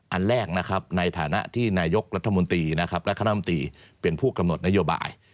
อันแรกนะครับในฐานะที่นายยกรรธมนตรีเป็นผู้กำหนดนโยบาย